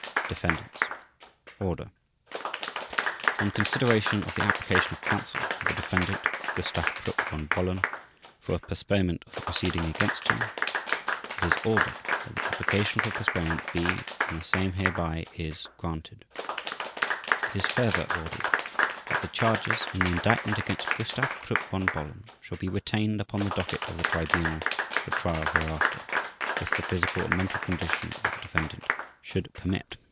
Defendants. ORDER ON CONSIDERATION of the application of counsel for the defendant, Gustav Krupp von Bohlen, for a postponement of the proceedings against him; IT IS ORDERED that the application for postponement be, and the same hereby is, granted; IT IS FURTHER ORDERED that the charges in the indictment against Gustav Krupp von Bohlen shall be retained upon the docket of the Tribunal for trial hereafter, if the physical and mental condition of the defendant should permit.